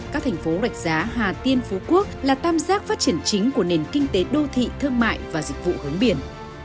các thành phố rạch giá hà tiên phú quốc là tam giác phát triển chính của nền kinh tế đô thị thương mại và dịch vụ hướng biển